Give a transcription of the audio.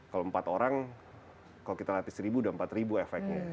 kalau empat orang kalau kita latih seribu sudah empat ribu efeknya